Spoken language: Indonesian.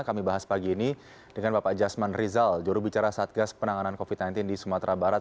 kami bahas pagi ini dengan bapak jasman rizal jurubicara satgas penanganan covid sembilan belas di sumatera barat